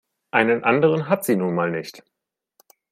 Einen anderen hat sie nun mal nicht.